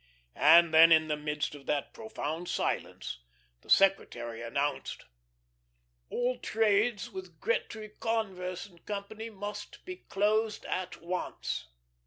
And then in the midst of that profound silence the secretary announced: "All trades with Gretry, Converse & Co. must be closed at once."